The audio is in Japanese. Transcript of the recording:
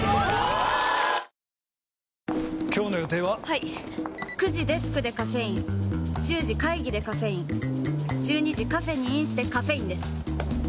はい９時デスクでカフェイン１０時会議でカフェイン１２時カフェにインしてカフェインです！